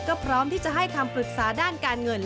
ก็พร้อมที่จะให้คำปรึกษาด้านการเงิน